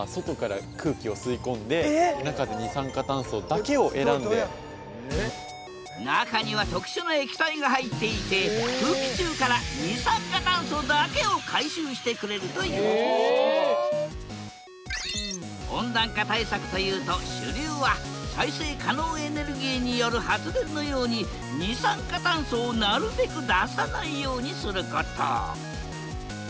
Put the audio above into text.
ここにあるんですけど中には特殊な液体が入っていて空気中から二酸化炭素だけを回収してくれるという温暖化対策というと主流は再生可能エネルギーによる発電のように二酸化炭素をなるべく出さないようにすること。